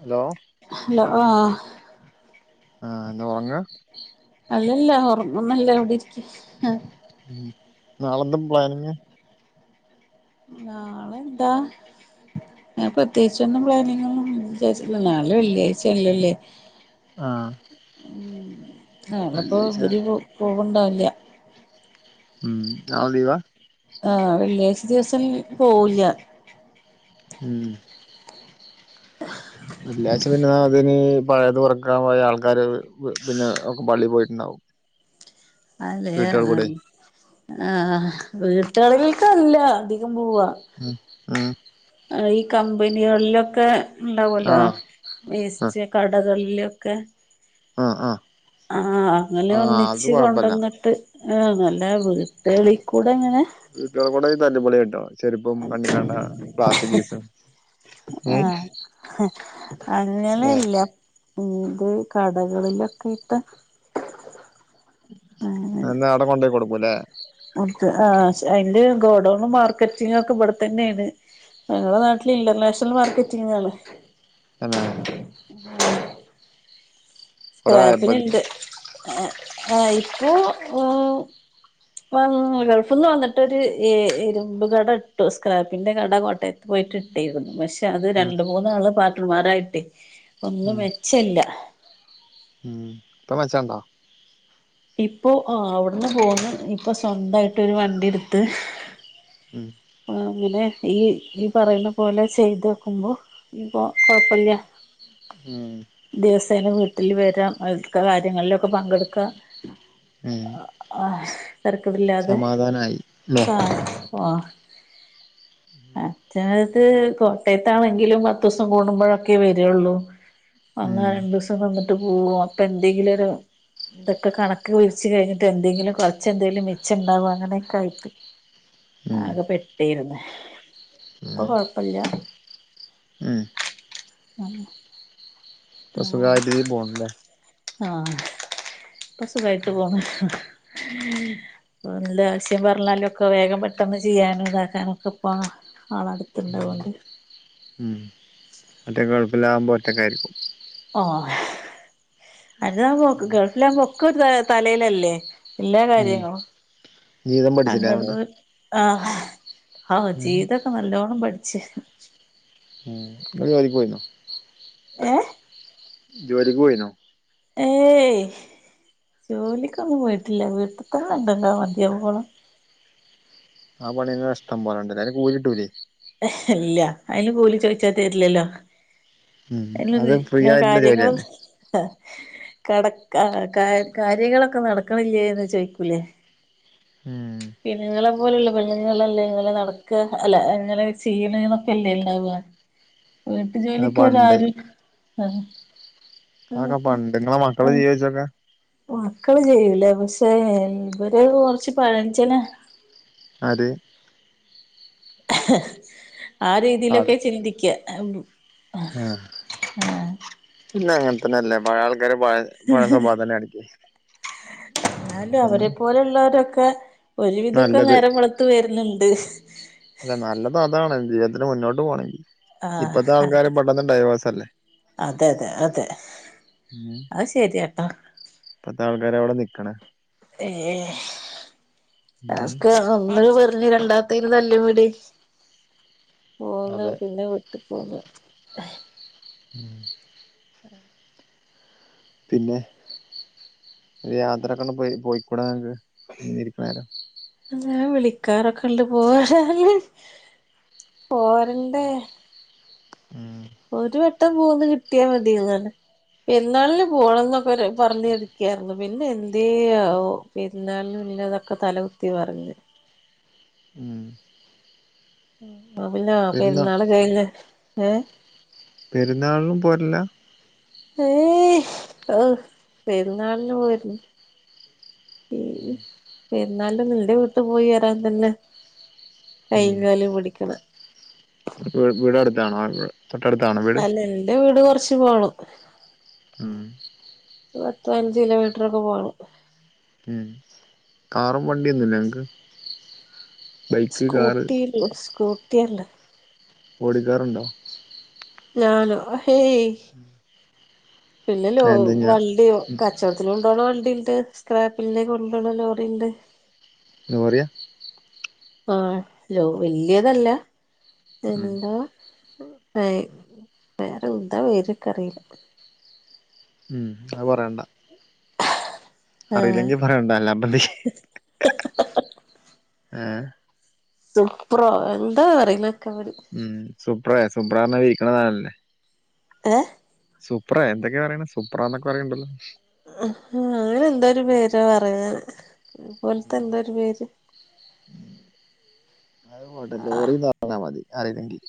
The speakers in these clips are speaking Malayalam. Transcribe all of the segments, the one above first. ഹലോ ഹലോ ആഹ് ആഹ് എന്താ ഒർങ്ങ അല്ലല്ല ഒർങ്ങൊന്നുവല്ല ഇവിടെ ഇരിക്ക ഉം നാളെന്താ പ്ലാനിങ്ങ് നാളെ എന്താ അങ്ങനെ പ്രത്യേകിച്ച് ഒന്നും പ്ലാനിങ്ങൊന്നും വിചാരിചിട്ടില്ല നാളെ വെള്ളിയാഴ്ചയാല്ലോല്ലേ ആഹ് ഉം നാളപ്പോ വെള്ളിയാഴ്ച ഇവര് പോവ്ണ്ടാവില്ല ഉം നാളെ ലീവാ ആഹ് വെള്ളിയാഴ്ച ദിവസം പോവ്ല്ല്യ ഉം വെള്ളിയാഴ്ച പിന്നെ അതിന് പയേത് പൊർക്കാൻ പോയ ആൾക്കാര് പിന്നെ ഒക്കെ പള്ളി പോയിട്ട്ണ്ടാവും അല്ലെ ആഹ് വീട്ടാള്കൾക്കല്ല അധികം പോവാ ഉം ആഹ് ഈ കമ്പനികളിലൊക്കെ ഇണ്ടാവലോ ആഹ് വേസ്റ്റ് കടകളിലൊക്കെ ആ ആ ആ ആഹ് അങ്ങനെ ഒന്നിച്ച് കൊഴപ്പല്ല കൊണ്ടന്ന്ട്ട് ആ നല്ല വീട്ടുകളി കൂടെ അങ്ങനെ വീട്ടാളിക്കുടെ അയിന് തല്ലിപൊളി കിട്ടാമതി ചെരുപ്പും കണ്ണിക്കണ്ട പ്ലാസ്റ്റിക്കീസും അങ്ങനെല്ല ഇത് കടകളിലൊക്കെയിട്ട് അത് എന്താ അവിടെ കൊണ്ടൊയി കൊടുക്കുല്ലേ ആ അതിന്റെ ഗോഡൗണും മാർക്കറ്റിങ് ഒക്കെ ഇവട് തന്നേണ് ഞങ്ങളെ നാട്ടില് ഇന്റർനാഷൽ മാർക്കറ്റിംങ്ങാണ് തന്നേ കൊറേ ആയപ്പോ ഇതിന് സ്ക്രാപ്പിനുണ്ട് ആഹ് ഇപ്പോ ഓ ഇപ്പം ഗൾഫിൽ നിന്ന് വന്നിട്ടൊരു ഇരുമ്പ് കട ഇട്ടു സ്ക്രാപ്പിന്റെ കട കോട്ടയ ത്ത് പോയിട്ടിട്ടിരുന്നു പക്ഷെ അത് ഉം രണ്ട മൂന്നാള് പാർട്ടണർമാരായിട്ടേ ഒന്നും ഉം മിച്ച ഇല്ല ഉം ഇപ്പൊ മെച്ചണ്ടോ ഇപ്പോ അഹ് അവിടന്ന് പോന്ന് ഇപ്പൊ സ്വന്തായിട്ട് ഒരു വണ്ടി ഇട്ത്ത് ഉം രാവിലെ ഈ ഈ പറയുന്ന പോലെ ചെയ്തോക്കുമ്പോ ഞ് പ്പോ കൊഴപ്പല്യ ഉം ദിവസേന വീട്ടിൽ വരാം അയ്ൽക്കെ കാര്യങ്ങളിലൊക്കെ പങ്കെടുക്കാം ഉം ആഹ് തെരക്കടില്ലാതെ സമാധാനായി ല്ലേ ആഹ് ആഹ് അച്നത് കോട്ടയത്താണെങ്കിലും പത്ത് ദിവസം കൂടുമ്പോഴൊക്കെ വെരൊള്ളൂ അങ്ങനെ ഉം രണ്ടു ദിവസം നിന്നിട്ട് പോകും അപ്പൊ എന്തെങ്കിലൊരു ഇതൊക്കെ കണക്ക് കുഴച്ച് കഴിഞ്ഞിട്ട് എന്തെങ്കിലും കുറച്ച് എന്തേലും മിച്ചം ണ്ടാവോ അങ്ങനെയൊക്കെ ആയിട്ട് ഉം ആകെ പെട്ടിര്ന്ന് ഇപ്പൊ ഉം കൊഴപ്പല്ല്യ ഉം ആഹ് ഇപ്പൊ സുഗായിട്ടിരിക്കും പോണ് ല്ലേ ആഹ് ഇപ്പൊ സുഖായിട്ട് പോണ് പ്പൊ ന്നേലും ആവശ്യം പറഞ്ഞാലും ഒക്കെ വേഗം പെട്ടെന്ന് ചെയ്യാനും ഇതാക്കാനൊക്കെ ഇപ്പാ ഉം ആളട്ത്ത്ണ്ടാവോണ്ട് അ മറ്റേത് ഗൾഫിലാകുമ്പോ ഒറ്റക്കായിരിക്കും ആഹ് മറ്റേതാവുമ്പോ ഗൾഫിലാവുമ്പോ ഒക്കെ ഒരു തലയിലല്ലേ എല്ലാ ഉം കാര്യങ്ങളും ജീവിതം പഠിച്ചില്ലേ അങ്ങട് അതുകൊണ്ട് ആഹ് ഹാഹു ഉം ജീവിതൊക്കെ നല്ലോണം പഠിച്ച് ഉം ങ്ങൾ ജോലിക്ക് പോയിന്നോ ഏഹ് ജോലിക്ക്‌ പോയിനോ ഏയ് ജോലിക്കൊന്നും പോയിട്ടില്ല വീട്ട്ത്തന്നെണ്ടല്ലോ മതിയാവോളം ആ പണിയൊന്നെ ഇഷ്ടം പോലണ്ട്ല്ലേ അയ്ന് കൂലി കിട്ടൂല്ലേ ഇല്ല അയ്ന് കൂലി ചോയിച്ചാ തെര്ലല്ലോ ഉം അത് എനിയൊന്ന് ഫ്രീ ഞാ ആയിട്ടുള്ള കാര്യങ്ങള് ജോലിയല്ലേ കട കാ കാര്യ കാര്യങ്ങളൊക്കെ നടക്കണില്ലേന്ന് ചോയ്ക്കൂലേ ഉം പിന്നെ ഇങ്ങളെ പോലുള്ള പെണ്ണുങ്ങളെ പെണുങ്ങല്ലേ ഇങ്ങനെ നടക്ക അല്ല [unintelligible] ചെയ്യ്ണ് ന്നൊക്കെല്ലേണ്ടാവാ വീട്ടു അത് ജോലിക്ക് ഓര് പണ്ട് ആരും ആഹ് അതൊക്കെ പണ്ട് ങ്ങളെ മക്കള് ആഹ് ചെയ്യോയ്ച്ചോക്കാ മക്കള് ചെയ്യൂല പക്ഷേ ഇവര് കൊറച്ച് പഴഞ്ചനാ ആര് ആ ആള് രീതിയിലൊക്കെ ചിന്തിക്ക്യാ ആഹ് പിന്നെ അങ്ങൻത്തന്നല്ലേ പഴേ ആൾക്കാര് പഴേ പഴേ സ്വഭാവം തന്നെ കാണിക്കെയ് എന്നാലും അവരെ പോലുള്ളവരൊക്കെ ഒരുവിധഒക്കെ നേരം വെളുത്ത് വരുന്നുണ്ട് അല്ലെ നല്ലത് അതാണ് ജീവിതത്തിന് മുന്നോട്ട് പോകണമെങ്കിൽ ആഹ് ഇപ്പത്തെ ആൾക്കാരെ പെട്ടെന്ന് ഡൈവ അതെ അതെ അതെ അത് ശരിയാട്ടോ പത്ത് ആൾക്കാരവിടെ നിക്കണ ഏഹ്‌ ഏഹ് ഉം ടാസ്ക് ഒന്ന് പറഞ്ഞ് രണ്ടാമത്തെന് തല്ല് കൂടി പോന്ന് അതെ പിന്നെ ഇപ്പോലെ [unintelligible] ആഹ്‌ പിന്നെ യാത്രക്കെ പോയി പോയിക്കൂടായോ [unintelligible] അങ്ങനെ വിളിക്കാറൊക്കെ ഉണ്ട് പോവാന് പോവണ്ടെ ഒരു വെട്ടം പോകന്ന് കിട്ടിയാൽ മതിയങ്ങനെ പെരുന്നാളിന് പോണം എന്നൊക്കെ പറഞ് ഇരിക്കായിരുന്നു പിന്നെ എന്തേ ആവോ പെരുന്നാളും ഇല്ലതൊക്കെ തലകുത്തി മറിഞ് ഉം അഹ്‌ പിന്നെ പെരുന്നാ പെരുന്നാള് കഴിഞ്ഞ് ഏഹ്‌ പെരുന്നാളിനും പോവലില്ല ഏയ് പെരുന്നാളിന് പോയിരുന്നു പെരുന്നാളിന് എന്റെ വീട്ട് പോയി വരാൻ തന്നെ ഉം കൈയ്യും കാലും പിടിക്കണം വീട് അടുത്താണോ തൊട്ടടുത്താണ അല്ല എന്റെ വീട് കൊറച്ച് പോണം ഉം പത്ത് പതിനഞ്ച് കിലോമീറ്ററൊക്കെ പോണം ഉ കാറും വണ്ടിയൊന്നുംല്ലേ ങ്ങക്ക് സ്കൂട്ടി സ്കൂട്ടിയുണ്ട് ഓടിക്കാറുണ്ടോ ഞാനോ ഹേയ് പിന്നലോ എന്താ ഞാ വള്ളിയോ കച്ചവടത്തി അ കൊണ്ടോള്ള വണ്ടി ഉണ്ട് സ്ക്രാപ്പില്ലേ കൊണ്ട് പോന്ന ലോറി ഉണ്ട് ലോറിയാ ആ ലോ വല്ലിയതല്ല ഉം എന്തുവാ ആ വേറെ ഇന്താ പേര് എനിക്ക് അറിയില്ല ഉം അത് പറയണ്ട ആഹ് അറിയില്ലെങ്കിൽ പറയണ്ട അല്ലപ്പഎന്ത്ചെയ്യും ആഹ് സുപ്രൊ എന്താ പറയുന്നൊക്കെ അവര് ഉം സുപ്പറാ സുപ്രണ വിക്കണതാണല്ലേ ഏഹ് സൂപ്പ്രാ എന്തൊക്കെയാ പറയണെ സൂപ്രാന്നൊക്കെ പറയുണ്ടല്ലോ അങ്ങനെ എന്തോ ഒരു പേരാ പറഞ്ഞത് അതുപോലത്തെ ഉം എന്തോ ഒരു പേര് അത് പോട്ടെ ലോറീന്ന് പറഞ്ഞാ മതി അറിയില്ലെങ്കിൽ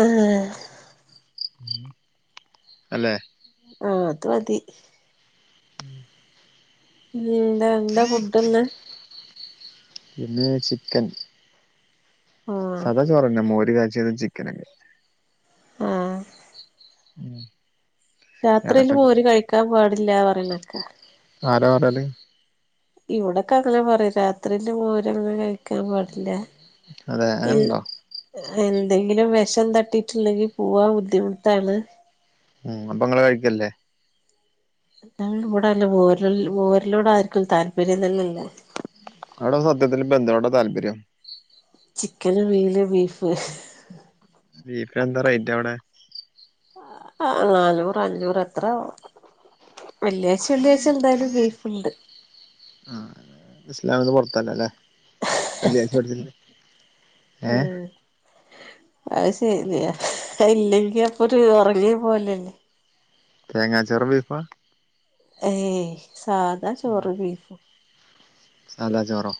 ആഹ് അല്ലേ ആഹ് അതു മതി [inaudible] ഉം എന്താ എന്താ ഫുഡ് ഇന്ന്. ഇന്ന് ചിക്കൻ ആഹ് സാധാ ചോറ് തന്നെ മോര് കാച്ചിയത് ചി ക്കന് ആഹ് [inaudible] രാത്രിയില് എടക്ക് മോര് കഴിക്കാൻ പാടില്ല പറയണ കേക്കാം. ആരാ പറയല്. ഇവിടൊക്കെ അങ്ങനെ പറയും രാത്രിയില് മോര് അങ്ങനെ കഴി ക്കാൻ പാടില്ല അതെ ഉം. അങ്ങനുണ്ടോ എന്തെങ്കിലും വിഷം തട്ടീട്ടുണ്ടെങ്കിൽ പോവാൻ ബുദ്ധിമുട്ടാണ്. ഉം അപ്പം നിങ്ങള് കഴിക്കല്ലേ. ഞങ്ങള് ഇവിടെ അങ്ങനെ മോരില് മോരിനോട്‌ ആർക്കും താല്പര്യം തന്നെ ഇല്ല. അവിടെ സത്യത്തിൽ ഇപ്പം എന്തിനോടാ താല്പര്യം. ചിക്കന്, മീന്, ബീഫ്. ബീഫ് എന്താ റേറ്റ് അവിടെ? ആഹ് നാനൂറ് അഞ്ഞൂറ് അത്രയാ. വെള്ളിയാഴ്ച വെള്ളിയാഴ്ച എന്തായാലും ബീഫുണ്ട്. ആഹ് ഇസ്ലാമന്ന് പുറത്തല്ലല്ലേ? വെള്ളിയാഴ്ച മേടിച്ചില്ലേ? ആഹ് അത് ശരിയാ, ഇല്ലെങ്കിൽ അപ്പൊ ഒരു ഉറങ്ങി പോലെ. തേങ്ങാ ചോറും ബീഫ്. ഏയ് സാധാ ചോറും ബീഫും. സാധാ ചോറോ?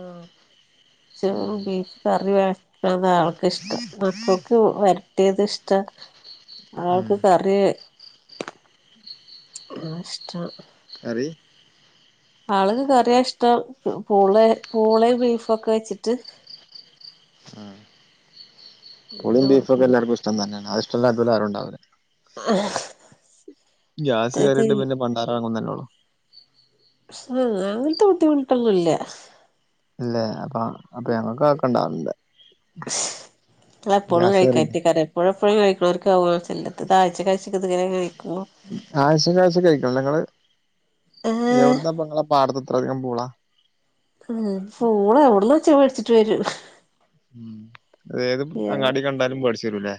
ആഹ് ചോറ് ബീഫ് കറി വ അത് ആൾക്ക് ഇഷ്ടം മക്കൾക്ക് വരട്ടിയത് ഇഷ്ടാ. ആൾക്ക് ഉം കറി ആഹ് ഇഷ്ടാ. കറി ആൾക്ക് കറിയാ ഇഷ്ടം, പൂളേ പൂളയും ബീഫൊക്കെ വെച്ചിട്ട്. ആഹ് പൂളയും അങ്ങനെ ബീഫും ഒക്കെ കൊടുക്കണം എല്ലാർക്കും ഇഷ്ടം തന്നെയാണ്, അത് ഇഷ്ടമല്ലാത്ത ആരും ഉണ്ടാവില്ല. [inaudible] ഗ്യാസ് മറ്റേത് കയറിട്ട് പിന്നെ പണ്ടാറം അടങ്ങുന്നല്ലാ ഉള്ളു. ഉം അങ്ങനത്തെ ബുദ്ധിമുട്ടൊന്നുമില്ല. ഇല്ലേ അപ്പം അപ്പൊ ഞങ്ങൾക്ക് ആർക്കും ഉണ്ടാവില്ല. നിങ്ങള് എപ്പോഴും കേറിട്ട് കഴിക്കുമായിരിക്കും. [unintelligible] എപ്പോഴും എപ്പോഴും കഴിക്കുന്നവർക്ക് ആവും [unintelligible] ആഴ്ചയിൽ ഇങ്ങനെ ഇങ്ങനെ നിക്കും. ആഴ്ചയിൽ ആഴ്ചയിൽ കഴിക്കുമോ നിങ്ങള്, ഏഹ് എവിടുന്ന് ഇപ്പൊ നിങ്ങള് പാടത്ത് ഇത്ര അധികം പൂളാ. ഉം പൂളാ എവിടുന്ന് വെച്ചാൽ മേടിച്ചിട്ട് വരും. ഉം ഏത് അങ്ങാടി കണ്ടാലും മേടിച്ച് വരൂല്ലേ.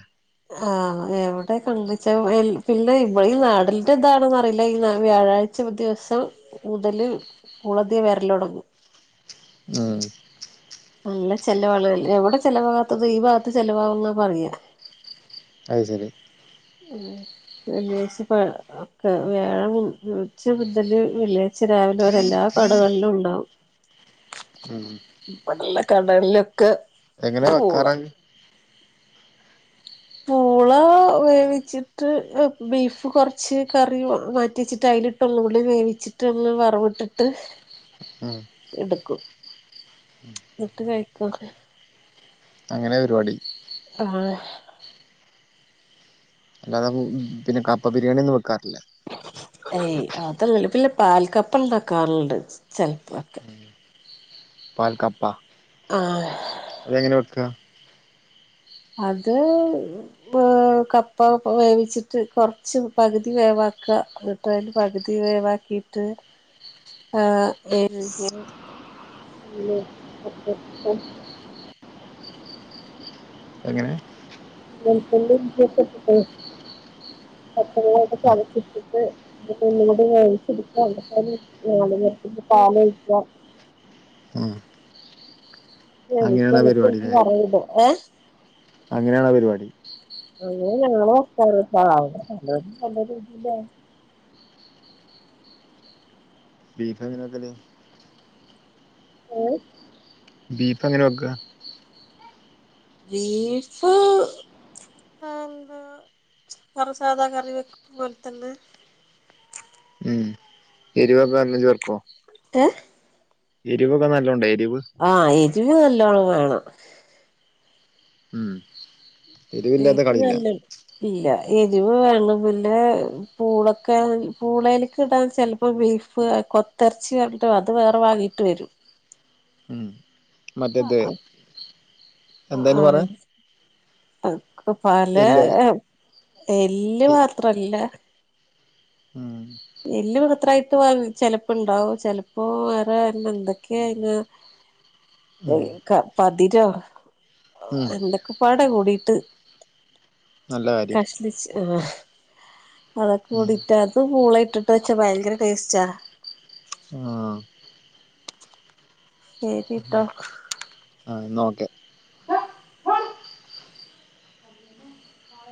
ആഹ് എവിടെ കണ്ടുവെച്ചാൽ വെൽ പിന്നെ ഈ നാടിന്റെ ഇതാണോ എന്നു അറിയില്ല ഈ വ്യാഴാഴ് ചില ദിവസം മുതൽ കുളതിയെ വരല് തുടങ്ങും. ഉം നല്ല ചെലവുള്ള എവിടെ ചെലവാകാത്തത് ഈ ഭാഗത്ത് ചെലവാക്കുന്നു പറയും. അത് ശരി. ഉം വെള്ളിയാഴ്ച പ ഒക്കെ വ്യാഴം ഉച്ച മുതല് വെള്ളിയാഴ് ച്ച രാവിലെ ഒരു എല്ലാ കടകളിലും ഉണ്ടാവും ഉം ഇവിടെള്ള കടലിലൊക്കെ എങ്ങനെ വെക്കാറാ പൂള വേവിച്ചിട്ട് ബീഫ് കുറച്ച് കറി മാറ്റി വെച്ചിട്ട് അതിലിട്ടൊ ഒന്നും കൂടി വേവിച്ച് സ്റ്ററില് വറവിട്ടിട്ട് ഉം എടുക്കും എന്നിട്ട് കഴിക്ക അങ്ങനെ പാരിപാടി ആഹ് അല്ലാതെ പിന്നെ കപ്പ ബിരിയാണി ഒന്നും വെക്കാറില്ലേ ഏയ് അത്രണ്ട് പിന്നെ പാൽക്കപ്പ ഉണ്ടാക്കാറുണ്ട് ചെലപ്പൊക്കെ പൽക്കപ്പ ആഹ് അതെങ്ങനെ വെക്ക അത് കപ്പ വേവിച്ചിട്ട് കുറച്ച് പകുതി വേവാക്കുക പകുതി വേവാക്കിട്ട് ആഹ് [inaudible] എങ്ങനെ വെളുത്തുള്ളി ഇഞ്ചി ഒക്കെ ഇട്ടിട്ടെ പച്ചമുളക്ക് ചതച്ചിട്ടിട്ട് എന്നിട്ട് ഒന്നും കുടി വേവിച്ച് എടുക്കുക എന്നിട്ട് നാളികേരത്തിന്റെ പാല് ഒഴിക്കാ ഉം [unintelligible] അങ്ങനെയാണ് ആ ഏഹ് അങ്ങനെയണ പരിപാടി അങ്ങനെ ഞങ്ങള് വെക്കാറ് പ പലരും പല രീതില്ല ബീഫ് എങ്ങന വെക്കല് ഏഹ് ബീഫ് എങ്ങനെ വെക്കുക ബീഫ് അഹ് സാധാ കറി വെക്കും പോലെത്തന്നെ ഉം ഇരുവ തന്നെ ചെർക്കോ ഏഹ് എരിവൊക്കെ നല്ലുണ്ട് എരിവ് ആഹ് എരിവ് നല്ലോണം വേണം ഉം എരിവില്ലാതെ ബീഫ് കളിയില്ല നല്ല ഇല്ല എരിവ് വേണം പിന്നെ പൂളൊക്കെ പൂളലക്ക ഇടാൻ ചെലപ്പോ ബീഫ് കൊത്തിറച്ചി വെണെ തോ അത് വേറെ വാകയിട്ട് വരും ഉം മറ്റ ദ് ആഹ് ക്ക് പല യെല്ലോ എല്ല് മാത്രല്ല ഉം എല്ല് മാത്രവായിട്ട് വാങ്ങും ചെലപ്പം ഇണ്ടാവും ചെലപ്പോ വേറെ എന്തൊക്കെയോ [unintelligible] ഉം പതിരോ ഉം എന്തൊക്കെ പാടെ കൂടീട്ട് നല്ല കാര്യം കഷ്ണിച്ച് ആഹ് അതൊക്കെ ഉം കൂടിയിട്ട് അത് മുളകിട്ടിട്ട് വെച്ചാ ഭയങ്കര ടേസ്റ്റാ ആഹ് ശരിട്ടോ ആ എന്നാ ഓക്കെ